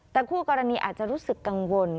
แต่คู่กรณีอาจจะรู้สึกกังวล